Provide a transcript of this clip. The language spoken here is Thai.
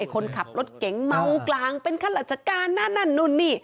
คนขับรถเก่งเมากลางเป็นข้าวหลักจักรานั่นนู่นนี่